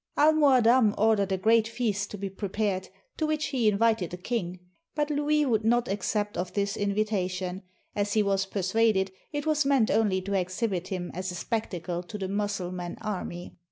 Almoadam ordered a great feast to be prepared, to which he invited the king. But Louis would not accept of this invitation, as he was persuaded it was meant only to exhibit him as a spectacle to the Mussulman army.